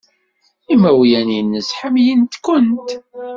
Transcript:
Imawlan-nnes ḥemmlen-kent.